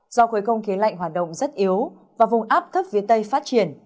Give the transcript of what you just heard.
do khối không khí lạnh hoạt động rất yếu và vùng áp thấp phía tây phát triển